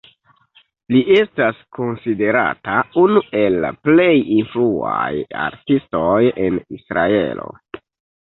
Li estas konsiderata unu el la plej influaj artistoj en Israelo.